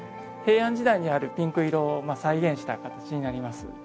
平安時代にあるピンク色を再現した形になります。